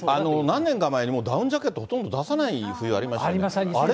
何年か前にダウンジャケットほとんど出さない冬、ありましたありましたね。